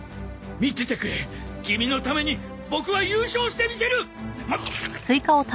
見ててくれキミのためにボクは優勝してみせる！